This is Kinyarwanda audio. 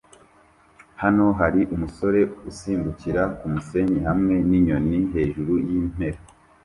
Hano hari umusore usimbukira kumusenyi hamwe ninyoni hejuru yimpera